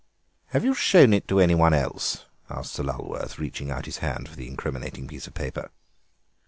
"Have you shown it to anyone else?" asked Sir Lulworth, reaching out his hand for the incriminating piece of paper.